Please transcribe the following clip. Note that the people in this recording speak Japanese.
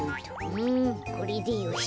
うんこれでよし。